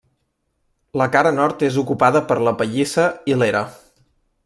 La cara nord és ocupada per la pallissa i l'era.